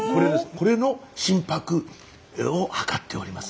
これの心拍を測っております。